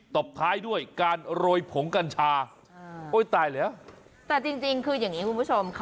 ตบท้ายด้วยการโรยผงกัญชาแต่จริงคืออย่างนี้คุณผู้ชม